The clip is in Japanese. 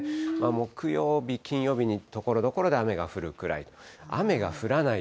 木曜日、金曜日にところどころで雨が降るくらいと。